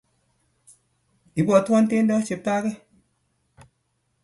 Ibwotwon tiendo cheptake